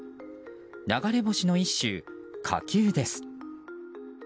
流れ星の一種、火球です。